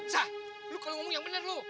sah lu kalau ngomong yang bener